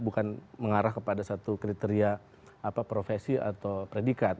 bukan mengarah kepada satu kriteria profesi atau predikat